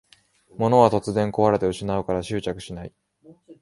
物は突然こわれて失うから執着しない